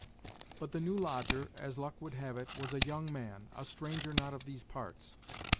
But the new lodger, as luck would have it, was a young man, a stranger not of these parts.